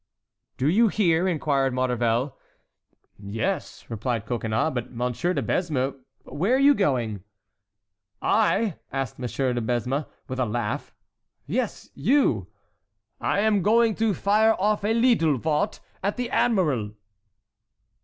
"Do you hear?" inquired Maurevel. "Yes," replied Coconnas, "but, Monsieur de Besme, where are you going?" "I?" asked Monsieur de Besme, with a laugh. "Yes, you." "I am going to fire off a leedle wort at the admiral."